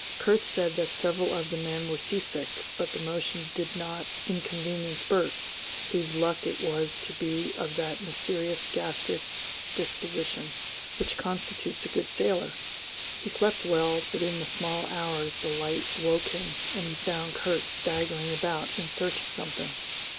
Kurt said that several of the men were sea sick, but the motion did not inconvenience Bert, whose luck it was to be of that mysterious gastric disposition which constitutes a good sailor. He slept well, but in the small hours the light awoke him, and he found Kurt staggering about in search of something.